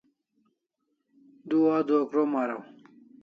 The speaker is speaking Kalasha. Du adua krom araw